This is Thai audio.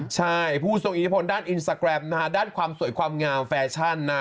ใช่ผู้ทรงอิทธิพลด้านอินสตาแกรมนะฮะด้านความสวยความงามแฟชั่นนะ